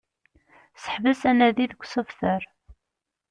Seḥbes anadi deg usebter